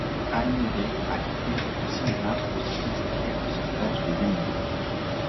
Anne Libert a quitté le cinéma pour se consacrer au sauvetage des animaux.